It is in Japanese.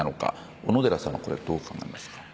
小野寺さんは、どう考えますか。